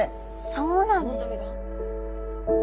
そうなんですか。